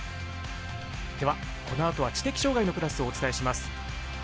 では、このあとは知的障がいのクラスをお伝えします。